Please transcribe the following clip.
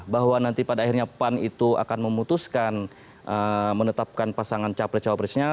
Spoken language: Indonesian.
bahwa nanti pada akhirnya pan itu akan memutuskan menetapkan pasangan caplit caplit haberisnya